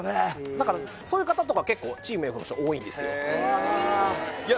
だからそういう方とか結構チームＦの人多いんですよ